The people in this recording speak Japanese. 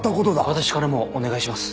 私からもお願いします。